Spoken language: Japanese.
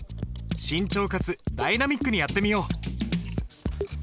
慎重かつダイナミックにやってみよう。